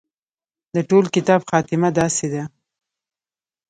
د ټول کتاب خاتمه داسې ده.